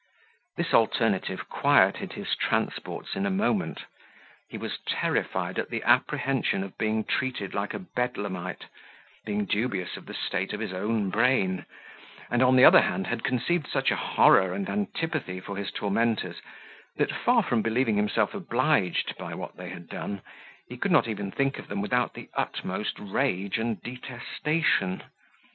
This alternative quieted his transports in a moment: he was terrified at the apprehension of being treated like a bedlamite, being dubious of the state of his own brain; and, on the other hand, had conceived such a horror and antipathy for his tormentors, that, far from believing himself obliged by what they had done, he could not even think of them without the utmost rage and detestation.